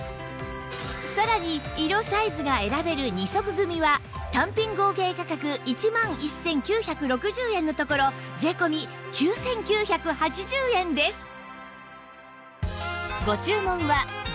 さらに色サイズが選べる２足組は単品合計価格１万１９６０円のところ税込９９８０円です